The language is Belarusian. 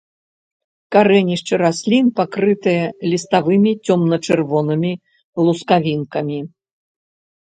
Карэнішчы раслін пакрытыя ліставымі цёмна-чырвонымі лускавінкамі.